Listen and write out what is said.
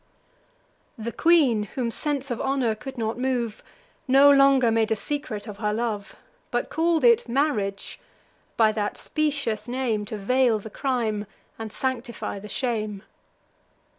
The queen, whom sense of honour could not move, No longer made a secret of her love, But call'd it marriage, by that specious name To veil the crime and sanctify the shame.